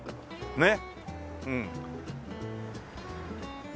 ねっ。